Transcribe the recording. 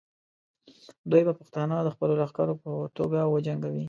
دوی به پښتانه د خپلو لښکرو په توګه وجنګوي.